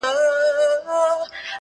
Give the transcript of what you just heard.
سړې اوږدې شپې به یې سپیني کړلې.!